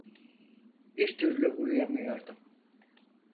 Bir türlü uyuyamıyordum.